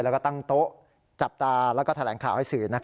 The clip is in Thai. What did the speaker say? แล้วก็ตั้งโต๊ะจับตาแล้วก็แถลงข่าวให้สื่อ